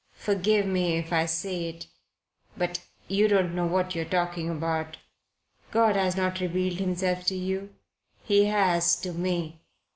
"Forgive me if I say it; but you don't know what you're talking about. God has not revealed Himself to you. He has to me.